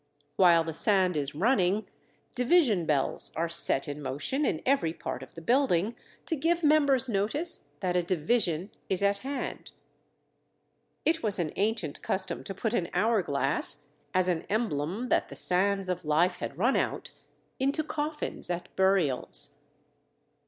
While the sand is running, "division bells" are set in motion in every part of the building to give members notice that a "division" is at hand. It was an ancient custom to put an hour glass, as an emblem that the sands of life had run out, into coffins at burials.